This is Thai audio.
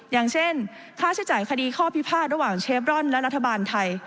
อย่างเช่นค่าใช้จ่ายคดีข้อพิพาทระหว่างเชฟร่อนและรัฐบาลไทย